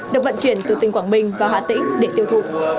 được vận chuyển từ tỉnh quảng bình vào hà tĩnh để tiêu thụ